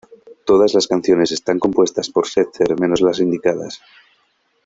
Todas las canciones están compuestas por Setzer menos las indicadas.